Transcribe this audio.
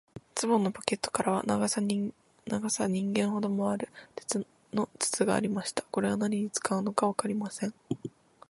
ズボンのポケットからは、長さ人間ほどもある、鉄の筒がありました。これは何に使うのかわかりません。